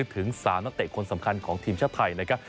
ถึง๓นักเตะคนสำคัญของทีมชาติไทยนะครับ